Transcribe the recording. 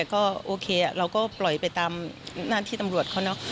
ก็โอเคเราก็ปล่อยไปตามหน้าที่ตำรวจเขาเนอะ